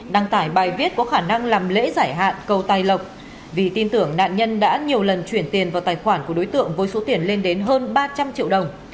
đăng tải bài viết có khả năng làm lễ giải hạn cầu tài lộc vì tin tưởng nạn nhân đã nhiều lần chuyển tiền vào tài khoản của đối tượng với số tiền lên đến hơn ba trăm linh triệu đồng